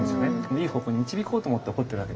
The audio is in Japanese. いい方向に導こうと思って怒ってるわけです。